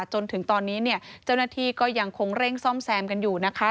จนถึงตอนนี้เนี่ยเจ้าหน้าที่ก็ยังคงเร่งซ่อมแซมกันอยู่นะคะ